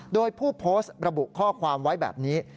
โดยผู้โพสต์ระบุข้อความไว้แบบนี้